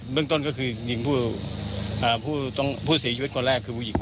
เบื้องต้นคือง่วงต้นผู้เสียชีวิตก่อนแรกคือผู้ยิงกอด